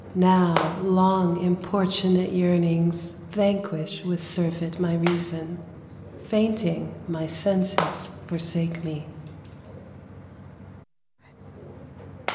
Now long importunate yearnings Vanquish with surfeit my reason; Fainting my senses forsake me.